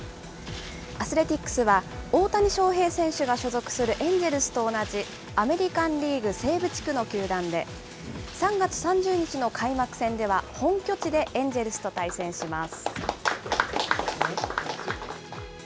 アスレティックスは、大谷翔平選手が所属するエンジェルスと同じアメリカンリーグ西部地区の球団で、３月３０日の開幕戦では、本拠地でエンジェルスと対戦します。